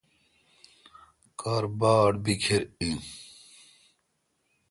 کار باڑ بیکھر این۔